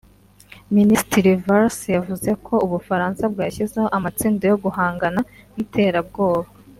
Minisitiri Valls yavuze ko u Bufaransa bwashyizeho amatsinda yo guhangana n’iterabwoba